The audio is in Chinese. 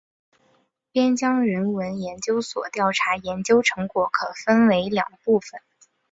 边疆人文研究室调查研究成果可分为两部分。